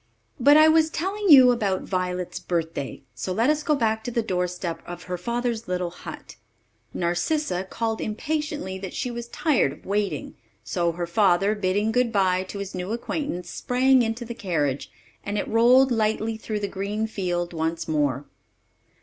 But I was telling you about Violet's birthday; so let us go back to the doorstep of her father's little hut. Narcissa called impatiently that she was tired of waiting; so her father, bidding good by to his new acquaintance, sprang into the carriage, and it rolled lightly through the green field once more.